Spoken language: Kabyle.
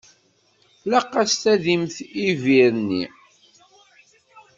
Tlaq-as tadimt i lbir-nni.